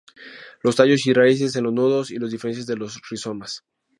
Los tallos y raíces en los nudos y los diferenciales de los rizomas.